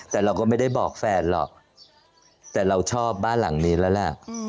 แต่เราก็ไม่ได้บอกแฟนหรอกแต่เราชอบบ้านหลังนี้แล้วแหละ